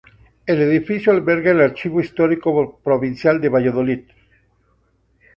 El edificio alberga el Archivo Histórico Provincial de Valladolid.